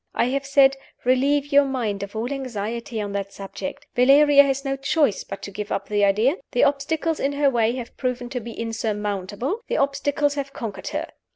I have said, 'Relieve your mind of all anxiety on that subject: Valeria has no choice but to give up the idea; the obstacles in her way have proved to be insurmountable the obstacles have conquered her.